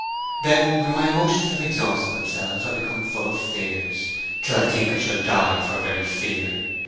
"Then, when my emotions have exhausted themselves, I become full of fears, till I think I shall die for very fear.